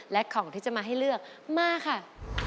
และของที่จะมาให้เลือกมาค่ะ